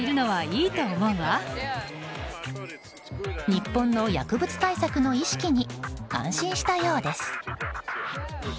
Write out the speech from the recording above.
日本の薬物対策の意識に感心したようです。